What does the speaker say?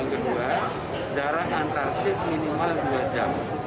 pak gubernur dki jakarta anies baswedan mencari pergerakan masa di masa new normal ibu kota